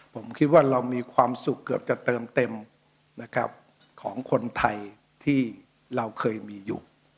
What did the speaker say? ผมคิดว่าเรามีความสุขเกือบจะเติมเต็มนะครับของคนไทยที่เราเคยมีอยู่